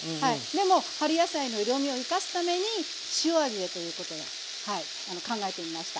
でも春野菜の色みを生かすために塩味でということではい考えてみました。